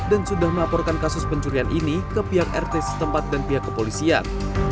dan sudah melaporkan kasus pencurian ini ke pihak rt setempat dan pihak kepolisian